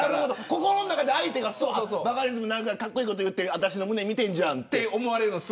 心の中でバカリズムかっこいいこと言って私の胸見てんじゃんと思われるのが。